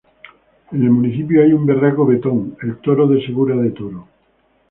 En el municipio hay un verraco vetón, el toro de Segura de Toro.